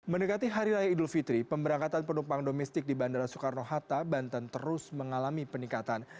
mendekati hari raya idul fitri pemberangkatan penumpang domestik di bandara soekarno hatta banten terus mengalami peningkatan